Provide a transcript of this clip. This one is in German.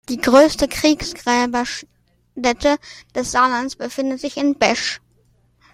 Die größte Kriegsgräberstätte des Saarlandes befindet sich in Besch.